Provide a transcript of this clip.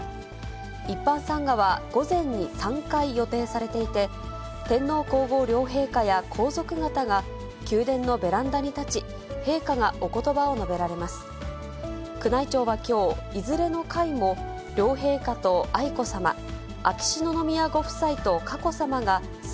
一般参賀は午前に３回予定されていて、天皇皇后両陛下や皇族方が宮殿のベランダに立ち、陛下がおことばを述べられます。